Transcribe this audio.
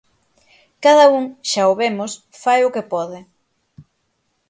Cada un, xa o vemos, fai o que pode.